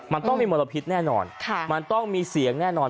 มันต้องมีมลพิษแน่นอนมันต้องมีเสียงแน่นอน